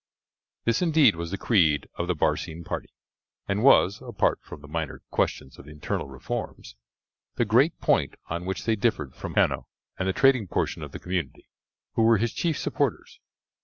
This, indeed, was the creed of the Barcine party, and was, apart from the minor questions of internal reforms, the great point on which they differed from Hanno and the trading portion of the community, who were his chief supporters.